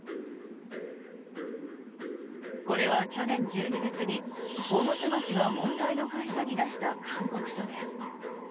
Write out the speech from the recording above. これは去年１２月に越生町が問題の会社に出した勧告書です。